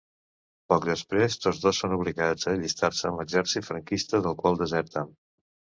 Poc després tots dos són obligats a allistar-se en l'exèrcit franquista, del qual deserten.